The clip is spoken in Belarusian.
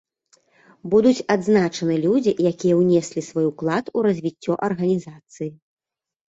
Будуць адзначаны людзі, якія ўнеслі свой уклад у развіццё арганізацыі.